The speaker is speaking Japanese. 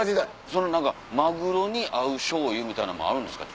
その何かマグロに合う醤油みたいなんもあるんですか？